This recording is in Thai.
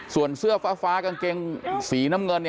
ส่วนเสื้อฟ้ากางเกงสีน้ำเงิน